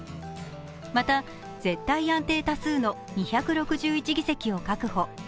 また、絶対安定多数の２６１議席を確保。